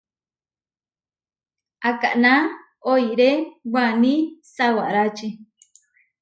Akaná oiré waní sawárači.